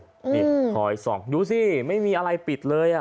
ดิบพลอย๒ดูสิไม่มีอะไรปิดเลย